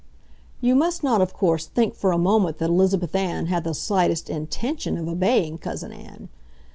You must not, of course, think for a moment that Elizabeth Ann had the slightest INTENTION of obeying Cousin Ann.